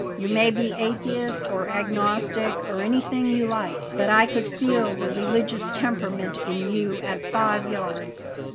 You may be atheist or agnostic or anything you like, but I could feel the religious temperament in you at five yards.